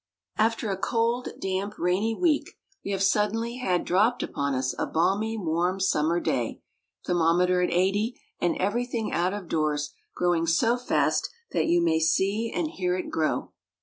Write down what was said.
After a cold, damp, rainy week, we have suddenly had dropped upon us a balmy, warm, summer day, thermometer at eighty; and every thing out of doors growing so fast, that you may see and hear it grow.